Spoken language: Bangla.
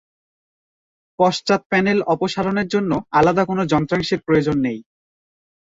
পশ্চাৎ প্যানেল অপসারণের জন্য আলাদা কোন যন্ত্রাংশের প্রয়োজন নেই।